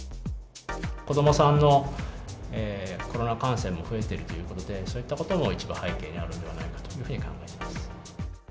子どもさんのコロナ感染も増えているということで、そういったことも一部背景にあるのではないかと考えています。